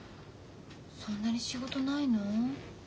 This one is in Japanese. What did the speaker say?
そんなに仕事ないの？